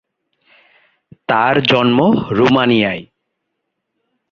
তার জন্ম রোমানিয়ায়।